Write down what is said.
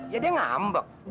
ya dia ngambek